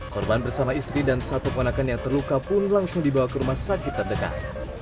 korban bersama istri dan satu ponakan yang terluka pun langsung dibawa ke rumah sakit terdekat